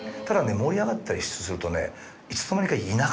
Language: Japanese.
盛り上がったりするとね。